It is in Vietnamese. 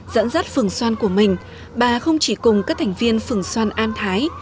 dẫn dắt phường xoan của mình bà không chỉ cùng các thành viên phường xoan an thái